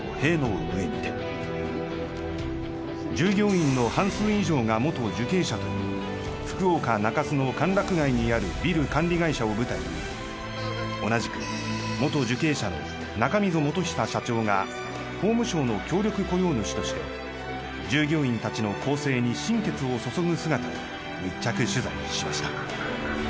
従業員の半数以上が元受刑者という福岡中洲の歓楽街にあるビル管理会社を舞台に同じく元受刑者の中溝茂寿社長が法務省の協力雇用主として従業員たちの更生に心血を注ぐ姿を密着取材しました。